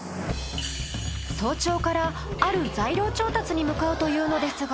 早朝からある材料調達に向かうというのですが。